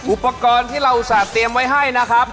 อุปกรณ์ที่เราสอนเตรียมไว้ให้นะครับ